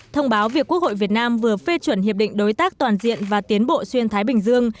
thông báo việc quốc hội việt nam vừa phê chuẩn hiệp định đối tác toàn diện và tiến bộ xuyên thái bình dương